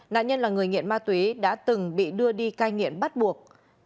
nạn nhân là người nghiện ma túy đã từng bị đưa đi cai nghiện bắt buộc